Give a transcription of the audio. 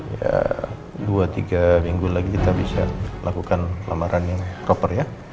ya dua tiga minggu lagi kita bisa lakukan lamaran yang proper ya